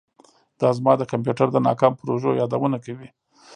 دا زما د کمپیوټر د ناکامو پروژو یادونه کوي